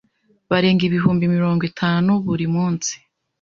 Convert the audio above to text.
barenga ibihumbi mirongo itanu buri munsi,